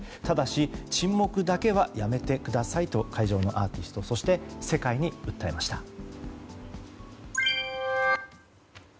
ただし、沈黙だけはやめてくださいと会場のアーティストそして世界に訴えました。